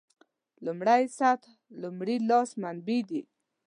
لومړۍ سطح لومړي لاس منابع دي.